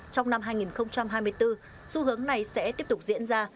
trong năm hai nghìn hai mươi bốn xu hướng này sẽ tiếp tục diễn ra